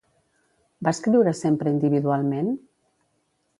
Va escriure sempre individualment?